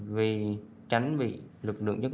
vì tránh bị lực lượng nhất năng